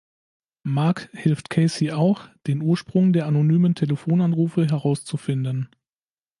Marc hilft Kathy auch, den Ursprung der anonymen Telefonanrufe herauszufinden.